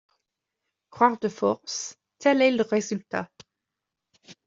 Croire de force, tel est le résultat.